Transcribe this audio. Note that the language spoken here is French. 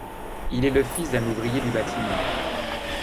Il est le fils d'un ouvrier du bâtiment.